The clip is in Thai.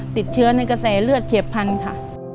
ติดเชื้อในกระแสเลือดเฉียบพันธุ์ค่ะ